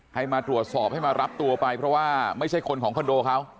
ให้มาตรวจสอบให้มารับตัวไปเพราะว่าไม่ใช่คนของคอนโดเขา